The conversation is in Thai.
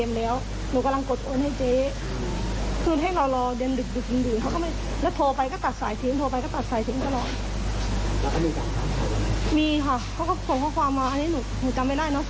มีคลิปหลุดออกไปอย่างนั้น